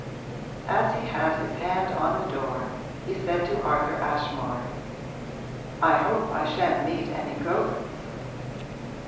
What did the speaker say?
As he had his hand on the door he said to Arthur Ashmore, 'I hope I shan't meet any ghosts.'